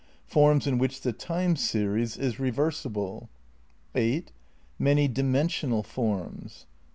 Forms in which the time series is reversible. 8. Many dimensional forms.